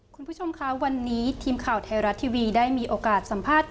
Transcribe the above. คุณผู้ชมคะวันนี้ทีมข่าวไทยรัฐทีวีได้มีโอกาสสัมภาษณ์